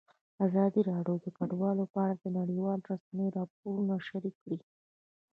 ازادي راډیو د کډوال په اړه د نړیوالو رسنیو راپورونه شریک کړي.